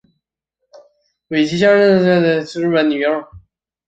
尾崎由香是日本的女性声优。